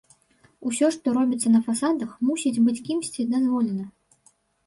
Усё, што робіцца на фасадах, мусіць быць кімсьці дазволена.